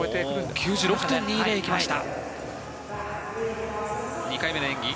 ９６．２０まで行きました。